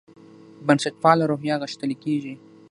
بنسټپاله روحیه غښتلې کېږي.